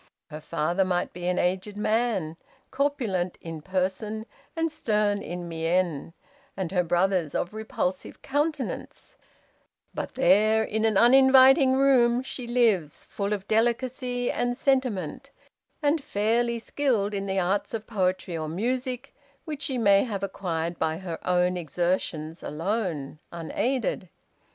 Her father might be an aged man, corpulent in person, and stern in mien, and her brothers of repulsive countenance; but there, in an uninviting room, she lives, full of delicacy and sentiment, and fairly skilled in the arts of poetry or music, which she may have acquired by her own exertions alone, unaided.